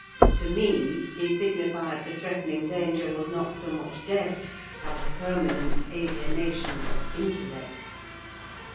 To me, he signified the threatening danger was not so much death, as permanent alienation of intellect.